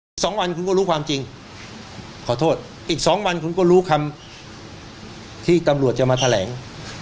อีกสองวันคุณก็รู้ความจริงขอโทษอีกสองวันคุณก็รู้คำที่ตำรวจจะมาแถลง